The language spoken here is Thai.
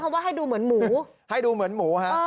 แสดงคำว่าให้ดูเหมือนหมู